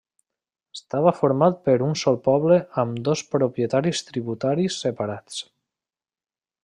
Estava format per un sol poble amb dos propietaris tributaris separats.